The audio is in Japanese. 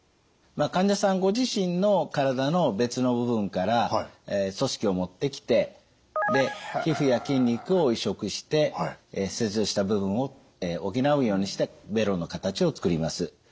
患者さんご自身の体の別の部分から組織を持ってきてで皮膚や筋肉を移植して切除した部分を補うようにしてベロの形を作ります。